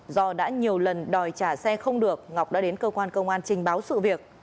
do đã nhiều lần đòi trả xe không được ngọc đã đến cơ quan công an trình báo sự việc